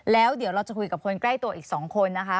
แล้วเดี๋ยวเราจะคุยกับคนใกล้ตัวอีก๒คนนะคะ